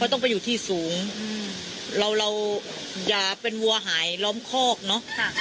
ต้องไปอยู่ที่สูงเราเราอย่าเป็นวัวหายล้อมคอกเนอะ